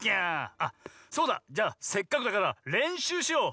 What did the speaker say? あそうだ！じゃあせっかくだかられんしゅうしよう。